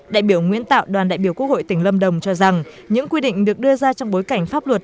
đại biểu nguyễn tạo đoàn đại biểu quốc hội tỉnh lâm đồng cho rằng những quy định được đưa ra trong bối cảnh pháp luật